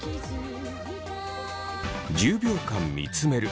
１０秒間見つめる。